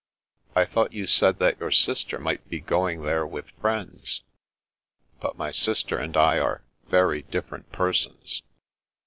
'' I thought you said that your sister might be going there with friends." "But my sister and I are — ^very different per sons."